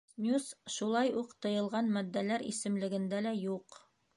Снюс шулай уҡ тыйылған матдәләр исемлегендә лә юҡ.